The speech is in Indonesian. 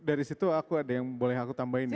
dari situ ada yang boleh aku tambahin ya